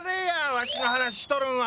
わしの話しとるんは。